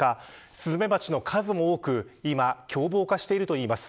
スズメバチの数も多く今、凶暴化しているといいます。